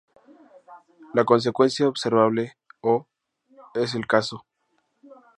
La consecuencia observable O es el caso.